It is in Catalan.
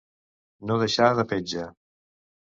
No deixar de petja.